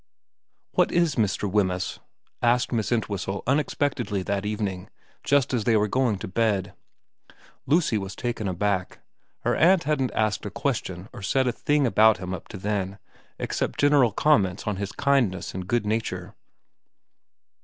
' What is Mr. Wemyss ?' asked Miss Entwhistle unexpectedly that evening, just as they were going to bed. Lucy was taken aback. Her aunt hadn't asked a question or said a thing about him up to then, except general comments on his kindness and good nature.